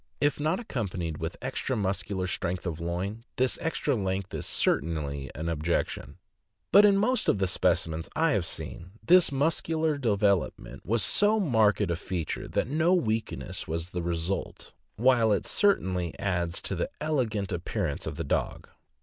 If not accompanied with extra muscular strength of loin, this extra length is certainly an objection; but in most of the specimens I have seen, this muscular development was so marked a feature that no weakness was the result, while it certainly adds to the elegant appearance of the dog.